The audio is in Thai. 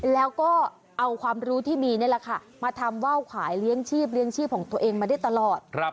แล้วก็เอาความรู้ที่มีนี่แหละค่ะมาทำว่าวขายเลี้ยงชีพเลี้ยงชีพของตัวเองมาได้ตลอด